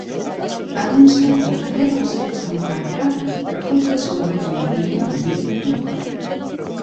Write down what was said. Адным словам, гэтаму савецкаму кааператару прыходзілася ў гэтую хвіліну вельмі туга.